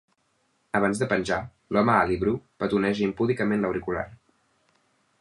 Abans de penjar, l'home alt i bru petoneja impúdicament l'auricular.